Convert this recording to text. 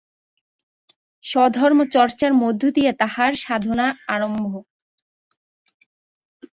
স্বধর্ম-চর্চার মধ্য দিয়া তাঁহার সাধনার আরম্ভ।